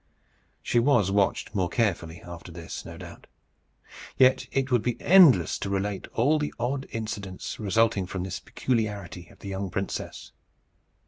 She was watched more carefully after this, no doubt; yet it would be endless to relate all the odd incidents resulting from this peculiarity of the young princess.